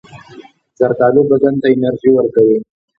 زردالو بدن ته انرژي ورکوي.